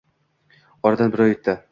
Oradan bir oy o`tdi